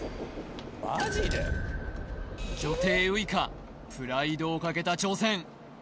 女帝ウイカプライドをかけた挑戦